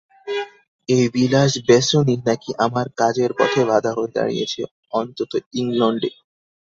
এই বিলাস-ব্যসনই নাকি আমার কাজের পথে বাধা হয়ে দাঁড়িয়েছে, অন্তত ইংলণ্ডে।